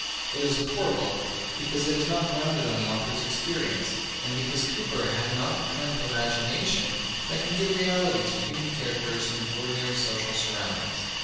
It is a poor book, because it is not grounded on the author's experience, and because Cooper had not the kind of imagination that can give reality to human characters in ordinary social sur roundings.